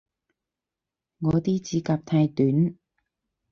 我啲指甲太短